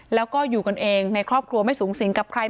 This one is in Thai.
แล้วก็อยู่กันเองในครอบครัวไม่สูงสิงกับใคร